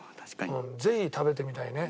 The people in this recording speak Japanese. ぜひ食べてみたいね。